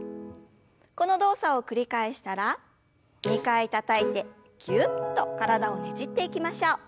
この動作を繰り返したら２回たたいてぎゅっと体をねじっていきましょう。